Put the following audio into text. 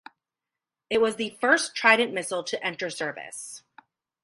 It was the first Trident missile to enter service.